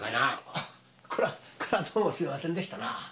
あっこれはこれはどうもすいませんでしたなぁ。